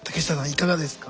いかがですか？